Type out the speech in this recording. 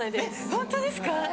ホントですか。